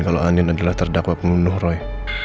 kalau anin adalah terdakwa pembunuh roy